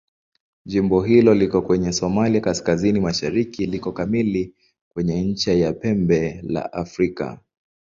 Jimbo hili liko kwenye Somalia kaskazini-mashariki liko kamili kwenye ncha ya Pembe la Afrika.